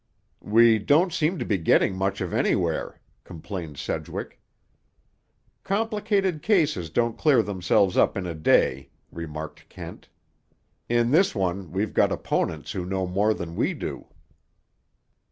"We don't seem to be getting much of anywhere," complained Sedgwick. "Complicated cases don't clear themselves up in a day," remarked Kent. "In this one we've got opponents who know more than we do."